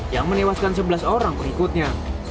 yang menewaskan sebelas orang pengikutnya